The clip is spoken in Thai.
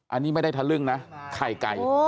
อันนี้ไม่ได้ทะลึ่งนะไข่ไก่